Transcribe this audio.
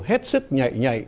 hết sức nhạy nhạy